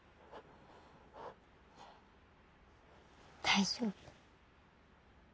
大丈夫。